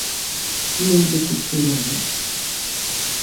Ну, дык у чым рэч?